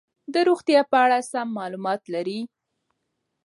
د روغتیا په اړه سم معلومات لري.